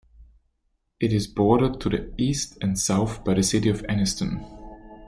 It is bordered to the east and south by the city of Anniston.